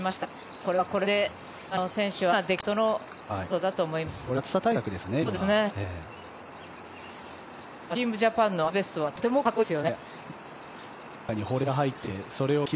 これはこれで選手は今できることのベストだと思います。